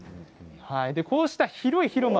こうした広い広場。